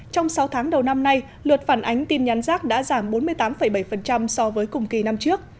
trong sáu tháng đầu năm nay luật phản ánh tin nhắn rác đã giảm bốn mươi tám bảy so với cùng kỳ năm trước